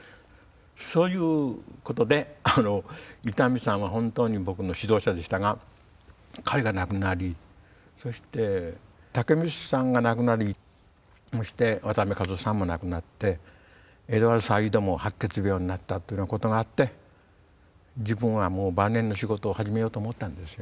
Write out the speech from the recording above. そういうことで伊丹さんは本当に僕の指導者でしたが彼が亡くなりそして武満さんが亡くなりそして渡辺一夫さんも亡くなってエドワード・サイードも白血病になったっていうようなことがあって自分はもう晩年の仕事を始めようと思ったんですよ。